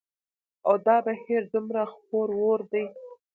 او دا بهير دومره خپور وور دى